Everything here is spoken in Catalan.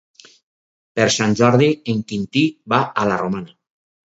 Per Sant Jordi en Quintí va a la Romana.